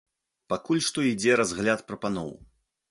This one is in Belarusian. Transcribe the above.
Пакуль што ідзе разгляд прапаноў.